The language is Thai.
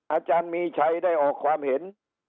อาจารย์มีชัยได้ออกความเห็น